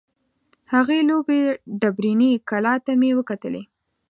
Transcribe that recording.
هغې لویې ډبریني کلا ته مې وکتلې.